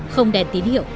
không đèn tín hiệu